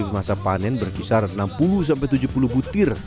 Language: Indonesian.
masa panen berkisar enam puluh tujuh puluh butir